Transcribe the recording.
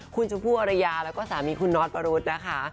คุณชมพู่อรยาแล้วก็สามีคุณน็อตประรุษนะคะ